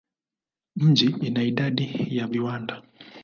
Mji ina idadi ya viwanda.